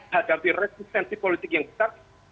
hati hati resistensi politik yang besar